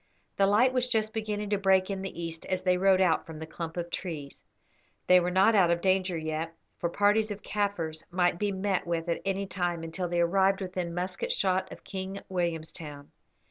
The light was just beginning to break in the east as they rode out from the clump of trees. They were not out of danger yet, for parties of Kaffirs might be met with at any time until they arrived within musket shot of King Williamstown.